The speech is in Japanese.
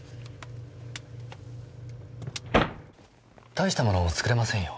たいしたもの作れませんよ。